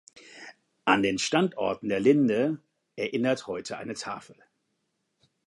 An den Standort der Linde erinnert heute eine Tafel.